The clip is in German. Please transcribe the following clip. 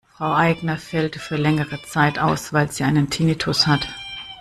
Frau Aigner fällt für längere Zeit aus, weil sie einen Tinnitus hat.